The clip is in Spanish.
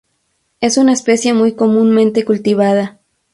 Es una especie muy comúnmente cultivada.